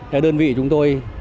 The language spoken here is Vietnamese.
thế đơn vị chúng tôi